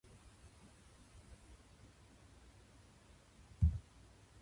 食と農のミライ